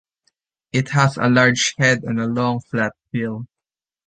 It has a large head and a long, flat bill.